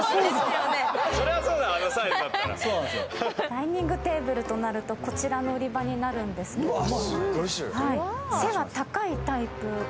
ダイニングテーブルとなるとこちらの売り場になるんですけれども。